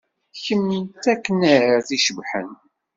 Kemm d taknart icebḥen.